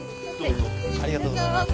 ありがとうございます。